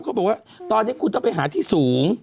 เขาบอกว่าตอนนี้คุณต้องไปหาที่สูง